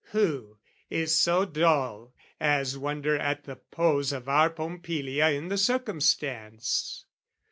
Who is so dull as wonder at the pose Of our Pompilia in the circumstance?